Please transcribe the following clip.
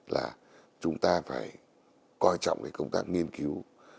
là chúng ta phải coi trọng cái công tác nghiên cứu